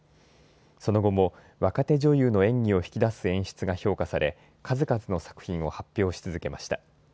その後も若手女優の演技を引き出す演出が評価され数々の作品を発表し続けました。